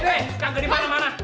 gak ada di mana mana